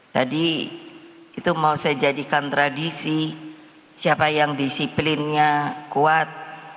tadi itu mau saya jadikan tradisi siapa yang disiplinnya kuat